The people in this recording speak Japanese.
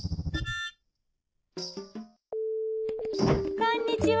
こんにちは。